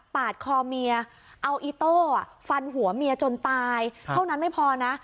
คอเมียเอาอีโต้ฟันหัวเมียจนตายเท่านั้นไม่พอนะ